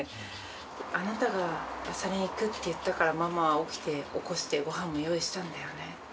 あなたが朝練行くって言ったからママは起きて起こしてご飯も用意したんだよね